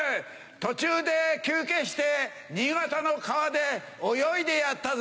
途中で休憩して新潟の川で泳いでやったぜ。